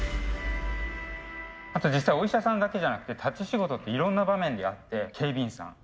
あと実際お医者さんだけじゃなくて立ち仕事っていろんな場面であって警備員さん